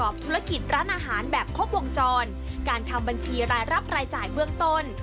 แบบขบวงจรการทำบัญชีรายรับรายจ่ายเวืองตน